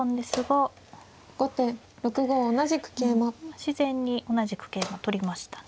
自然に同じく桂馬取りましたね。